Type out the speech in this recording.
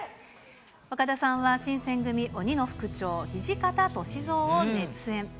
岡田さんは新選組鬼の副長、土方歳三を熱演。